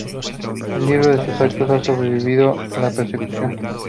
El libro de sus actos ha sobrevivido a la persecución.